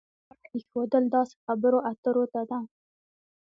دا غاړه ایښودل داسې خبرو اترو ته ده.